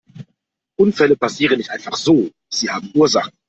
Unfälle passieren nicht einfach so, sie haben Ursachen.